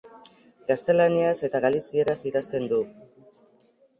Gaztelaniaz eta galizieraz idazten du.